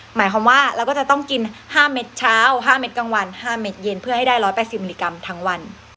หมายความว่าเราก็จะต้องกิน๕เม็ดเช้า๕เม็ดกลางวัน๕เม็ดเย็นเพื่อให้ได้๑๘๐มิลลิกรัมทั้งวัน